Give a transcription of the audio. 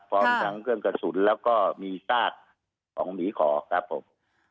พร้อมทั้งเครื่องกระสุนแล้วก็มีซากของหมีขอครับผม